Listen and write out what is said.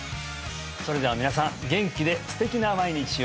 それでは皆さん元気で素敵な毎日を！